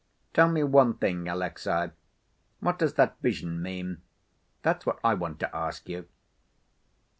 Tell me one thing, Alexey, what does that vision mean? That's what I want to ask you."